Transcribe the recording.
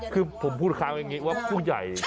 ครึ่งผมความพูดฆาตก็ง่ายว่าผู้ใหญ่